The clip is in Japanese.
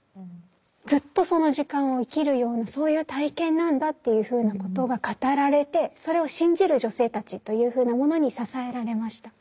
ずっとその時間を生きるようなそういう体験なんだっていうふうなことが語られてそれを信じる女性たちというふうなものに支えられました。